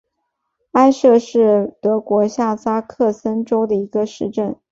埃舍是德国下萨克森州的一个市镇。